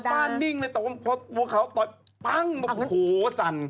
ป้านิ่งเลยแต่ว่าพอเขาต่อยปั้งโอ้โหสั่น